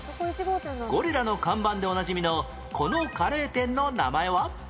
ゴリラの看板でおなじみのこのカレー店の名前は？